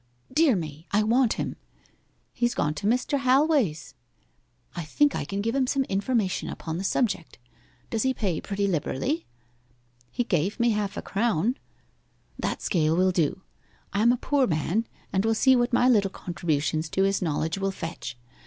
'Dear me! I want him.' 'He's gone to Mr. Halway's.' 'I think I can give him some information upon the subject. Does he pay pretty liberally?' 'He gave me half a crown.' 'That scale will do. I'm a poor man, and will see what my little contribution to his knowledge will fetch.